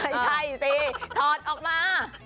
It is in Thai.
ไม่ใช่สิถอดออกมา